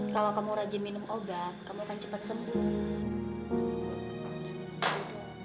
kalau kamu rajin minum obat kamu akan cepat sembuh